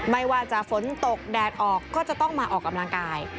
ไม่ว่าจะฝนตกแดดออกก็จะต้องมาออกกำลังกาย